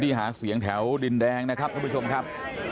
ที่หาเสียงแถวดินแดงคุณผู้ชมครับ